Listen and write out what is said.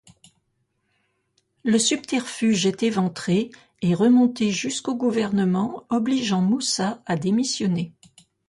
Le subterfuge est éventré et remonté jusqu’au gouvernement, obligeant Moussa à démissionner.